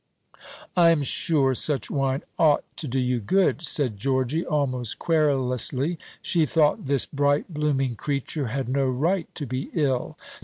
"I am sure such wine ought to do you good," said Georgy, almost querulously. She thought this bright blooming creature had no right to be ill.